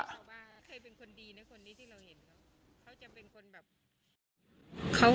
เคยเป็นคนดีนะที่เราเห็นเค้า